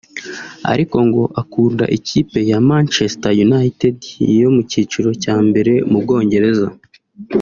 ariko ngo akunda ikipe ya Manchester United yo mu cyiciro cya mbere mu Bwongereza